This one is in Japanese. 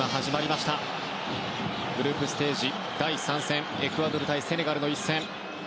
グループステージ第３戦エクアドル対セネガルの一戦。